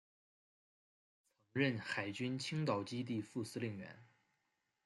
曾任海军青岛基地副司令员。